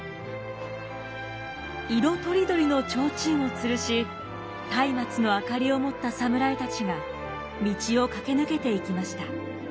色とりどりの提灯を吊るし松明の明かりを持った侍たちが道を駆け抜けていきました。